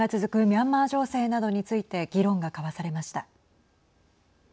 ミャンマー情勢などについて議論が交わされました。